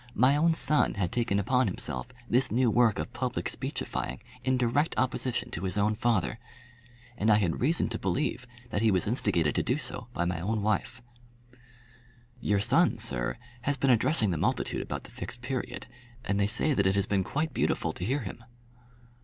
My own son had taken upon himself this new work of public speechifying in direct opposition to his own father! And I had reason to believe that he was instigated to do so by my own wife! "Your son, sir, has been addressing the multitude about the Fixed Period, and they say that it has been quite beautiful to hear him."